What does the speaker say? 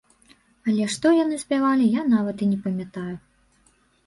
Але што яны спявалі, я нават і не памятаю.